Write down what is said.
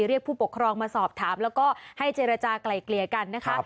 เรียกผู้ปกครองมาสอบถามแล้วก็ให้เจรจากลายเกลี่ยกันนะคะ